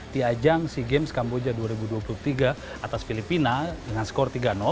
diajang si games kamboja dua ribu dua puluh tiga atas filipina dengan skor tiga